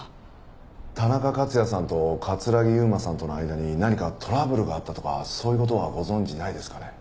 田中克也さんと城悠真さんとの間に何かトラブルがあったとかそういう事はご存じないですかね？